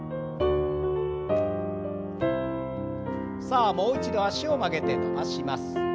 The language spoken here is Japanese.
さあもう一度脚を曲げて伸ばします。